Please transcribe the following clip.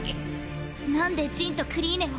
何でジンとクリーネを。